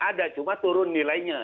ada cuma turun nilainya